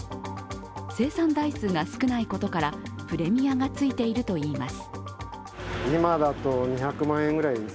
生産台数が少ないことからプレミアがついていると言います。